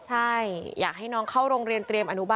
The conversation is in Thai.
ใช่อยากให้น้องเข้าโรงเรียนเตรียมอนุบาล